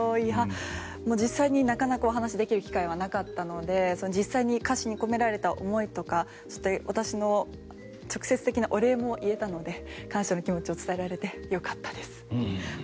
実際になかなかお話しできる機会はなかったので実際に歌詞に込められた思いとか私の直接的なお礼も言えたので感謝の気持ちを伝えられてよかったです。